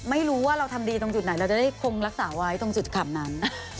ไม่รู้ว่าเราทำดีตรงจุดไหนเราจะได้คงรักษาไว้ตรงจุดขำนั้น